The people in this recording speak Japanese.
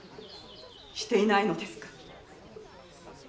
していないのですか？